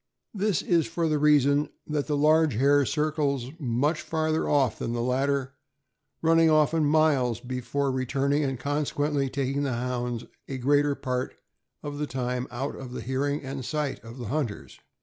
This is for the reason that the large hare circles much farther off than the latter, running often miles before re turning, and consequently taking the Hounds a greater part of the time out of the hearing and sight of the hunters.